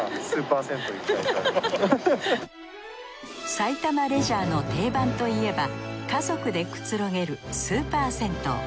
埼玉レジャーの定番といえば家族でくつろげるスーパー銭湯。